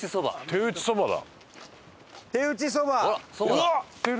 手打ちそばだ！